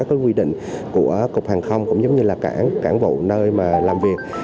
có quy định của cục hàng không cũng giống như là cảng vụ nơi mà làm việc